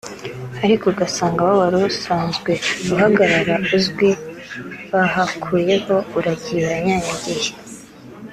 ariko ugasanga aho wari usanzwe uhagarara uzwi bahakuyeho uragiye uranyanyagiye